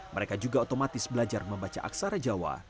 mereka juga otomatis belajar membaca aksara jawa